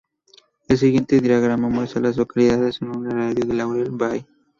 El siguiente diagrama muestra a las localidades en un radio de de Laurel Bay.